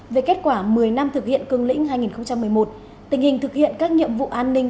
về kết quả một mươi năm thực hiện cương lĩnh hai nghìn một mươi một tình hình thực hiện các nhiệm vụ an ninh